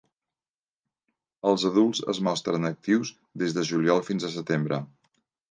Els adults es mostren actius des de juliol fins a setembre.